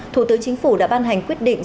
thủ tướng chính phủ đã ban hành quyết định